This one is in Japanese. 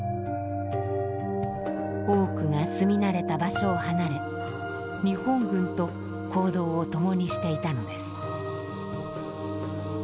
多くが住み慣れた場所を離れ日本軍と行動を共にしていたのです。